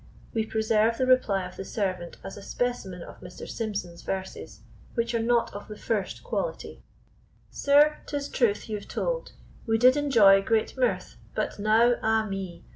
We preserve the reply of the servant as a specimen of Mr. Symson's verses, which are not of the first quality: Sir, 'tis truth you've told. We did enjoy great mirth; but now, ah me!